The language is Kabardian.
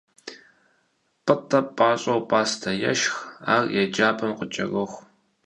Пӏытӏэ пащӏэу пӏастэ ешх, ар еджапӏэм къыкӏэроху.